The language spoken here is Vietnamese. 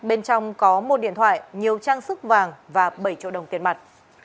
bên trong có một điện thoại nhiều trang sức vàng và bảy triệu đồng tiền mặt